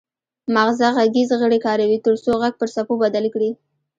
مغزه غږیز غړي کاروي ترڅو غږ پر څپو بدل کړي